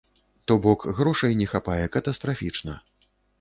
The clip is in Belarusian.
То бок, грошай не хапае катастрафічна.